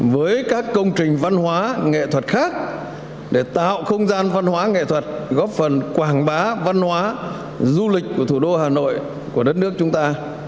với các công trình văn hóa nghệ thuật khác để tạo không gian văn hóa nghệ thuật góp phần quảng bá văn hóa du lịch của thủ đô hà nội của đất nước chúng ta